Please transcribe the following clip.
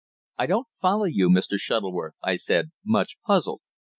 "I don't follow you, Mr. Shuttleworth," I said, much puzzled.